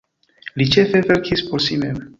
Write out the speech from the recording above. Li ĉefe verkis por si mem.